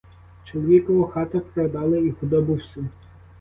Чоловікову хату продали і худобу всю.